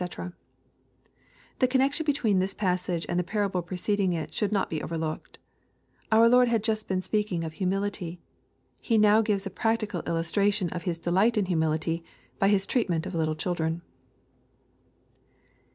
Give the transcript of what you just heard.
] The connection between this passapfo and the parable preceding it should not be overlooked. Our Lord had just been speaking of humility. He now gives a practical il lustration of His delight in humility, by His treatment of little children.